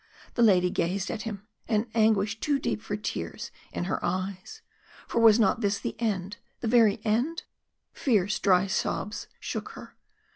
The lady gazed at him, an anguish too deep for tears in her eyes. For was not this the end the very end? Fierce, dry sobs shook her.